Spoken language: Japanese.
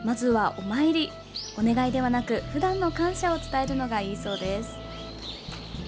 お願いではなく、普段の感謝を伝えるのがいいそうです。